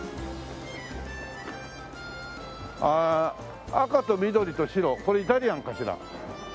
ええ赤と緑と白これイタリアンかしら？